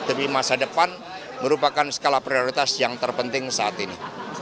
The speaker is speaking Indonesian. tapi masa depan merupakan skala prioritas yang terpenting saat ini